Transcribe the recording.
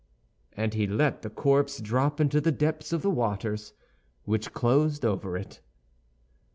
and he let the corpse drop into the depths of the waters, which closed over it.